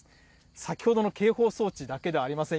先ほどの警報装置だけではありません。